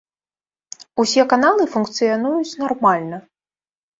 Усе каналы функцыянуюць нармальна.